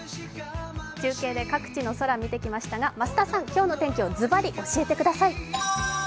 中継で各地の空見てきましたが増田さん今日の天気をズバリ教えてください。